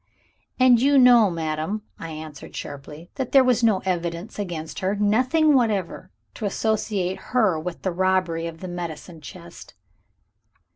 "And you know, madam," I answered sharply, "that there was no evidence against her nothing whatever to associate her with the robbery of the medicine chest."